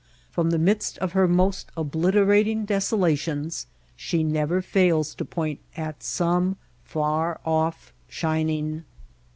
From the midst of her most obliterating desolations she never fails to point at some far off shining.